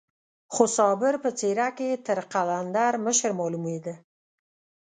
خو صابر په څېره کې تر قلندر مشر معلومېده.